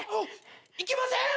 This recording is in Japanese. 行きません！